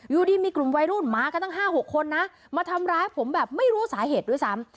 อยู่ดีมีกลุ่มวัยรุ่นมากันตั้ง๕๖คนนะมาทำร้ายผมแบบไม่รู้สาเหตุด้วยซ้ำ